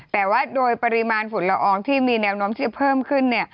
แต่ว่าโดยปริมาณฝุ่นละอองที่มีแนวโน้มที่จะเพิ่มขึ้น